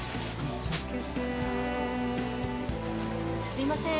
すいません。